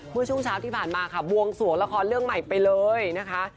เมื่อช่วงเช้าที่ผ่านมาค่ะบวงสวงละครเรื่องใหม่ไปเลยนะคะ